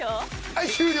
はい終了！